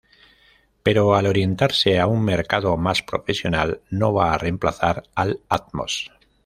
Pero al orientarse a un mercado más "profesional" no va a reemplazar al Atmos.